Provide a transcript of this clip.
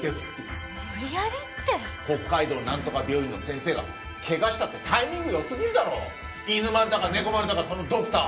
北海道なんとか病院の先生が怪我したってタイミングよすぎるだろ犬丸だか猫丸だかそのドクター！